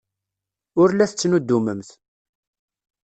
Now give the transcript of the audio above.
Ur la tettnuddumemt.